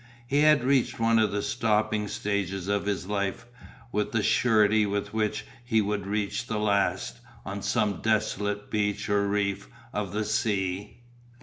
He had reached one of the stopping stages of his life, with the surety with which he would reach the last, on some desolate beach or reef of the sea.